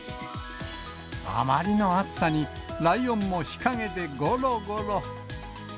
あまりの暑さにライオンも日陰でごろごろ。